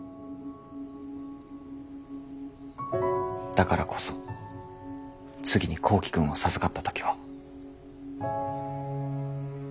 だからこそ次に幸希くんを授かった時は。